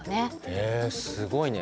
へえすごいね。